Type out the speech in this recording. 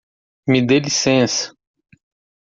Me de licença!